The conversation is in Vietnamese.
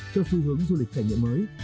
cho xu hướng du lịch trải nghiệm mới